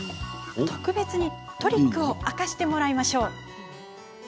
特別にトリックを明かしてもらいましょう。